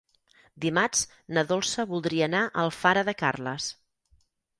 Dimarts na Dolça voldria anar a Alfara de Carles.